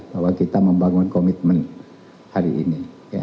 bahwa kita membangun komitmen hari ini